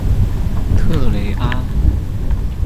特雷阿。